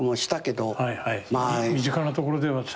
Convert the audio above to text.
身近なところでは。